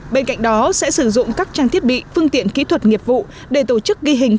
bên cạnh đó sẽ sử dụng các trang thiết bị phương tiện kỹ thuật nghiệp vụ để tổ chức ghi hình